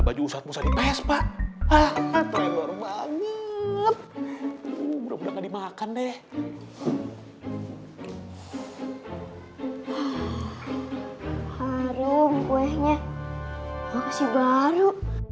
baju saat musadip s pak ah terlalu banget udah udah dimakan deh harum kuenya makasih baru